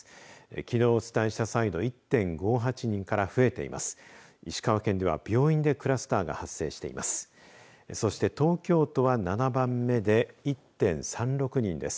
きのうお伝えした際の１．５８人から増えています。